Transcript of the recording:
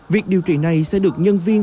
việc điều trị này sẽ được nhân viên